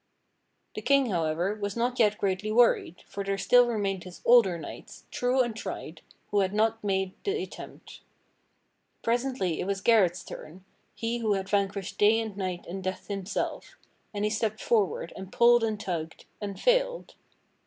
The King, however, was not yet greatly worried; for there still remained his older knights, true and tried, who had not made the attempt. Presently it was Gareth's turn, he who had vanquished Day and Night and Death himself, and he stepped forward, and pulled and tugged — and failed.